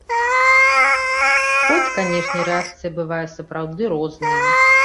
Хоць, канешне, рэакцыя бывае сапраўды розная.